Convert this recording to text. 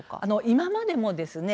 今までもですね